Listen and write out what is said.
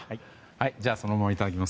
そのままいただきます。